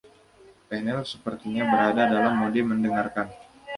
Panel sepertinya berada dalam mode mendengarkan.